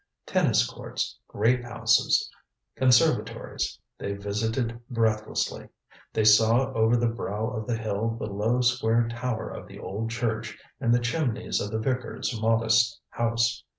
Tennis courts, grape houses, conservatories, they visited breathlessly; they saw over the brow of the hill the low square tower of the old church and the chimneys of the vicar's modest house.